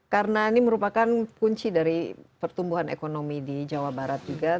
karena ini merupakan kunci dari pertumbuhan ekonomi di jawa barat juga